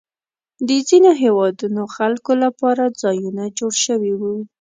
د ځینو هېوادونو خلکو لپاره ځایونه جوړ شوي وو.